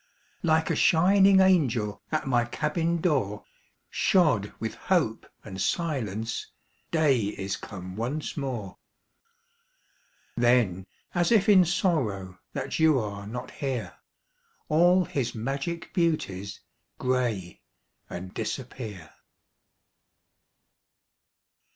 Like a shining angel At my cabin door, Shod with hope and silence, Day is come once more. Then, as if in sorrow That you are not here, All his magic beauties Gray and disappear.